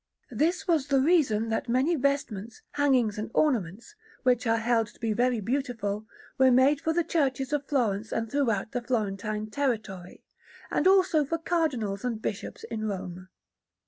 This was the reason that many vestments, hangings, and ornaments, which are held to be very beautiful, were made for the churches of Florence and throughout the Florentine territory, and also for Cardinals and Bishops in Rome.